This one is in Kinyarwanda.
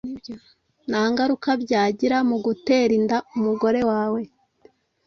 ntangaruka byagira muguterinda umugore wawe